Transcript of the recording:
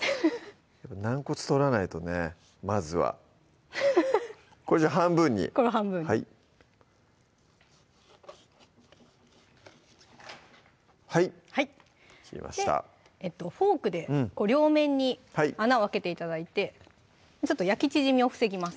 軟骨取らないとねまずはこれじゃあ半分にこの半分にはい切りましたフォークで両面に穴を開けて頂いてちょっと焼き縮みを防ぎます